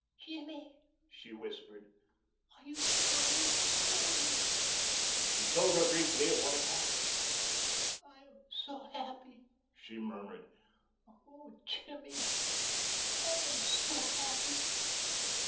"Jimmy," she whispered, "you are free? Tell me." He told her briefly of what had happened. "I am so happy," she murmured. "Oh, Jimmy, I am so happy!"